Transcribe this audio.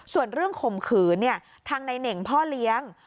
ส่วนเรื่องขมขือเนี่ยทางนายเหน่งพ่อเลี้ยง